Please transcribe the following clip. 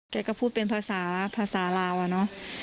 แกก็พูดเป็นภาษาภาษาลาวอะเนาะ